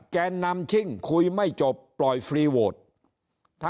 แกนนำชิ่งคุยไม่จบปล่อยฟรีโหวตถ้า